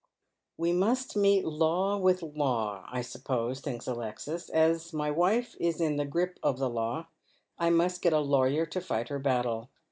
" We must meet law with law, I suppose," thinks Alexis. " As my wife is in the grip of the law, I must get a lawyer to fight her battle."